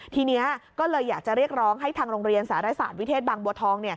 ทีนี้ก็เลยอยากจะเรียกร้องให้ทางโรงเรียนสารศาสตร์วิเทศบางบัวทอง